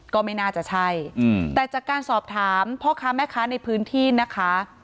ก็ไม่น่าจะใช่แต่จากการสอบถามพ่อค้าแม่ค้าในพื้นที่นะคะ